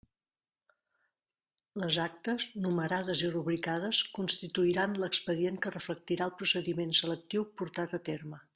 Les actes, numerades i rubricades constituiran l'expedient que reflectirà el procediment selectiu portat a terme.